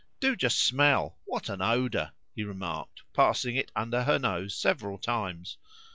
"Do just smell! What an odour!" he remarked, passing it under her nose several times.